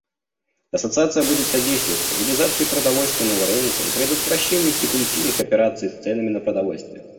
Ассоциация будет содействовать стабилизации продовольственного рынка и предотвращению спекулятивных операций с ценами на продовольствие.